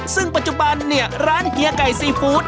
ซึ่งปัจจุบันเนี่ยร้านเฮียไก่ซีฟู้ด